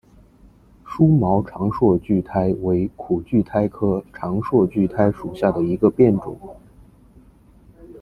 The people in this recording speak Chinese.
疏毛长蒴苣苔为苦苣苔科长蒴苣苔属下的一个变种。